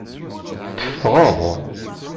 Teffɣeḍ.